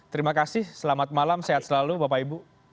terima kasih selamat malam sehat selalu bapak ibu